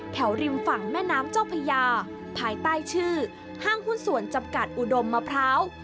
ริมฝั่งแม่น้ำเจ้าพญาภายใต้ชื่อห้างหุ้นส่วนจำกัดอุดมมะพร้าว